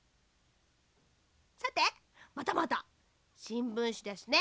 さてまたまたしんぶんしですね。